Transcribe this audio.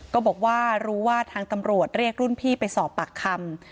ก็บอกว่ารู้ว่าทางตำรวจเรียกรุ่นพี่ไปสอบปากคำ